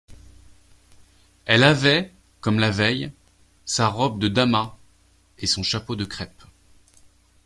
Elle avait comme la veille sa robe de damas et son chapeau de crêpe.